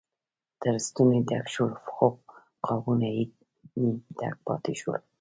تر ستوني ډک شول خو قابونه یې نیم ډک پاتې شول.